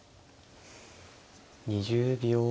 ２０秒。